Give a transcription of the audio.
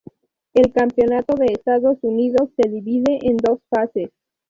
El campeonato de Estados Unidos se divide en dos fases.